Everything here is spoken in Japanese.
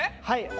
はい。